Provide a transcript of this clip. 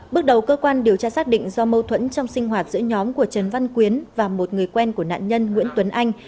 bước đầu cơ quan điều tra xác định do mâu thuẫn trong sinh hoạt giữa nhóm của trần văn quyến và một người quen của nạn nhân nguyễn tuấn anh